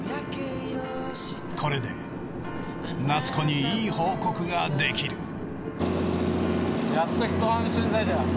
これで夏子にいい報告ができる。